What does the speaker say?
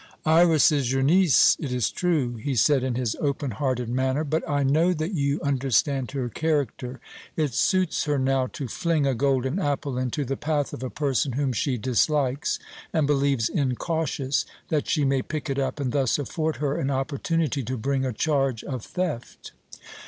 "Iras is your niece, it is true," he said in his open hearted manner, "but I know that you understand her character. It suits her now to fling a golden apple into the path of a person whom she dislikes and believes incautious, that she may pick it up and thus afford her an opportunity to bring a charge of theft."